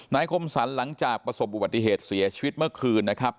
คมสรรหลังจากประสบอุบัติเหตุเสียชีวิตเมื่อคืนนะครับ